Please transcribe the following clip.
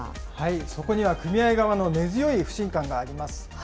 そこには組合側の根強い不信感があります。